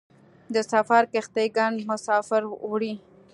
د سفر کښتۍ ګڼ مسافر وړي.